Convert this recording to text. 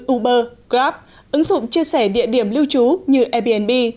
uber grab ứng dụng chia sẻ địa điểm lưu trú như airbnb